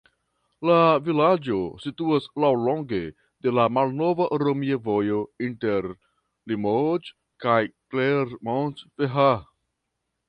La vilaĝo situas laŭlonge de la malnova romia vojo inter Limoĝo kaj Clermont-Ferrand.